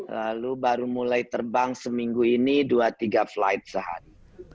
lalu baru mulai terbang seminggu ini dua tiga flight sehari